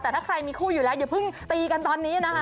แต่ถ้าใครมีคู่อยู่แล้วอย่าเพิ่งตีกันตอนนี้นะคะ